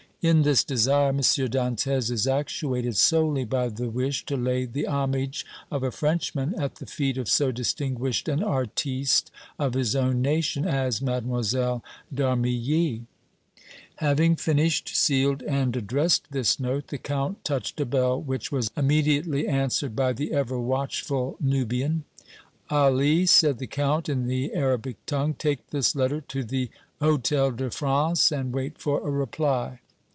In this desire M. Dantès is actuated solely by the wish to lay the homage of a Frenchman at the feet of so distinguished an artiste of his own nation as Mlle. d' Armilly." Having finished, sealed and addressed this note, the Count touched a bell which was immediately answered by the ever watchful Nubian. "Ali," said the Count, in the Arabic tongue, "take this letter to the Hôtel de France and wait for a reply."